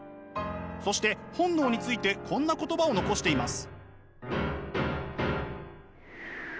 そして本能についてこんな言葉を残しています。